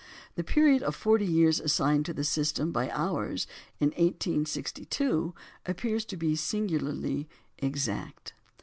The period of forty years assigned to the system by Auwers in 1862 appears to be singularly exact.